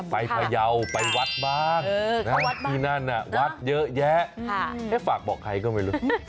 พยาวไปวัดบ้างที่นั่นวัดเยอะแยะฝากบอกใครก็ไม่รู้